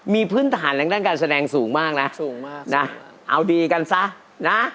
มีพื้นฐานแรงด้านการแสดงสูงมากนะสูงมากนะเอาดีกันซะนะ